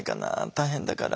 大変だから。